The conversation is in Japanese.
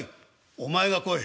「お前が来い」。